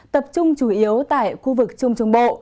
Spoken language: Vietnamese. tập trung chủ yếu tại khu vực trung trung bộ